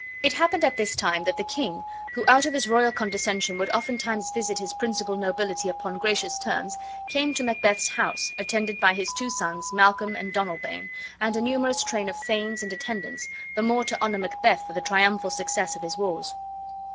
It happened at this time that the king, who out of his royal condescension would oftentimes visit his principal nobility upon gracious terms, came to Macbeth's house, attended by his two sons, Malcolm and Donalbain, and a numerous train of thanes and attendants, the more to honor Macbeth for the triumphal success of his wars.